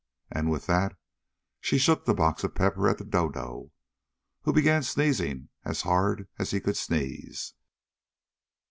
and with that she shook the box of pepper at the dodo, who began sneezing as hard as he could sneeze.